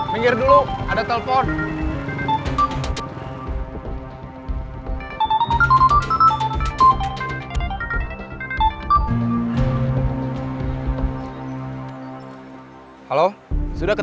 terima kasih atas simponya